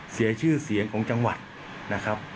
เสียชื่อเสียงของจังหวัดนะครับ